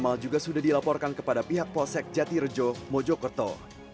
ketiga juga sudah dilaporkan kepada pihak posek jati rejo mojokerto